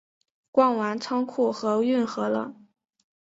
逛完仓库和运河了